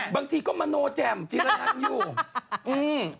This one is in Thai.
บางทีก็มโนแจ่มจิลละรันอยู่